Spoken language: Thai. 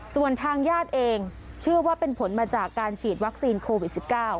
ส่วนทางญาติเองเชื่อว่าเป็นผลมาจากการฉีดวัคซีนโควิด๑๙